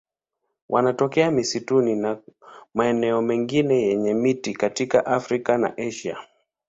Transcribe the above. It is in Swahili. Wanatokea misitu na maeneo mengine yenye miti katika Afrika na Asia.